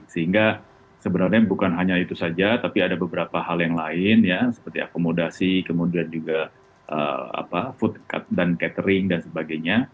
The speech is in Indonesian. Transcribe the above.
sehingga sebenarnya bukan hanya itu saja tapi ada beberapa hal yang lain ya seperti akomodasi kemudian juga food dan catering dan sebagainya